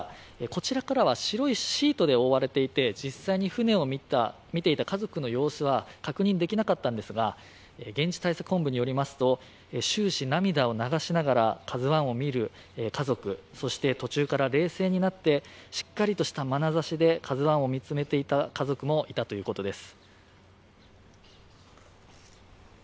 こちらからは白いシートで覆われていて、実際に船を見ていた家族の様子は確認できなかったんですが現地対策本部によりますと終始涙を流しながら「ＫＡＺＵⅠ」を見る家族、そして途中から冷静になってしっかりとしたまなざしで「ＫＡＺＵⅠ」を見つめていた家族もいたということです。